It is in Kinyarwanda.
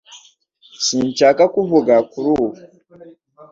Sinshaka kuvuga kuri ubu